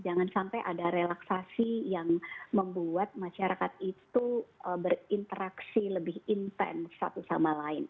jangan sampai ada relaksasi yang membuat masyarakat itu berinteraksi lebih intens satu sama lain